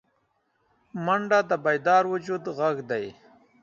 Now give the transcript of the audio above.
منډه د بیدار وجود غږ دی